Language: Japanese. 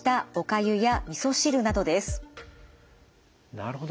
なるほど。